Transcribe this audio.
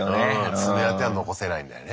爪痕は残せないんだよね